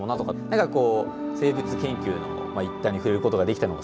なんかこう生物研究の一端に触れることができたのがすごく楽しかった。